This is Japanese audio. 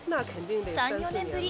３、４年ぶり。